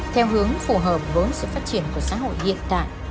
theo hướng phù hợp với sự phát triển của xã hội hiện tại